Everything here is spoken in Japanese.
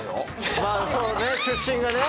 出身がね。